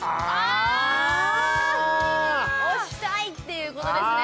押したいっていうことですね。